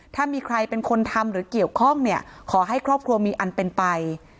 ถ้ามีใครเป็นคนทำหรือเกี่ยวข้องเนี่ยขอให้ครอบครัวมีอันเป็นไป